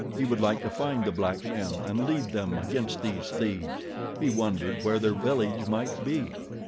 He would like to find the black men and lead them against these thieves. He wondered where their village might be.